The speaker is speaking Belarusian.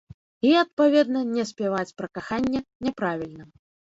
І, адпаведна, не спяваць пра каханне, няправільна.